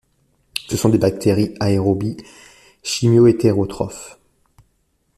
Ce sont des bactéries aérobies, chimiohétérotrophes.